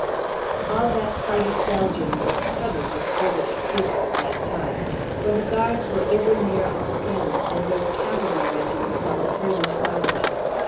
All that part of Belgium was covered with British troops at that time; for the Guards were over near Enghien, and there were cavalry regiments on the further side of us.